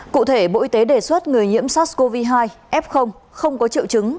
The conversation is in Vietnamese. cụ thể bộ y tế đề xuất người nhiễm sars cov hai f không có triệu chứng